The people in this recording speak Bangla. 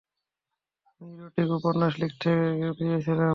আমি ইরোটিক উপন্যাস লিখতে চেয়েছিলাম।